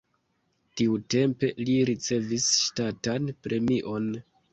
Tiutempe li ricevis ŝtatan premion.